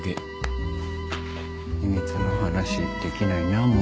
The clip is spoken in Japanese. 秘密の話できないなもう。